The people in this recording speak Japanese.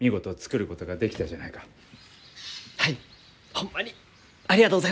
ホンマにありがとうございます。